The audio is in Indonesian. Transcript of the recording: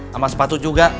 sama sepatu juga